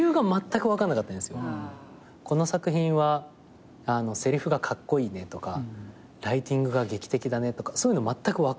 この作品はせりふがカッコイイねとかライティングが劇的だねとかそういうのまったく分かんないし。